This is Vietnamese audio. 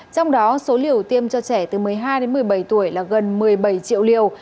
trong đó số liều tiêm cho trẻ từ một mươi hai đến một mươi bảy tuổi là gần một mươi bảy triệu liều